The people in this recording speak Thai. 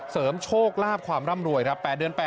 เสริมโชคลาบความร่ำรวย๘เดือน๘